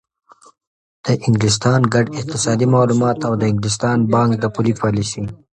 د انګلستان ګډ اقتصادي معلومات او د انګلستان بانک د پولي پالیسۍ